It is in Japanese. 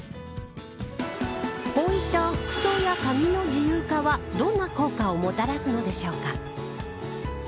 こういった服装や髪の自由化はどんな効果をもたらすのでしょうか。